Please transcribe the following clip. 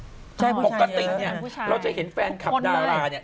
มันผู้ชายเยอะแล้วนะฮะคนเลยค่ะปกติเนี่ยเราจะเห็นแฟนคลับดาราเนี่ย